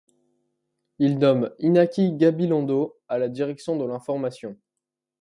Il nomme Iñaki Gabilondo à la direction de l'information.